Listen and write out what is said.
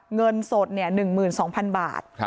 เงินสด๑๒๐๐๐บาท